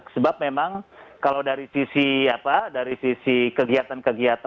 sebab memang kalau dari sisi kegiatan kegiatan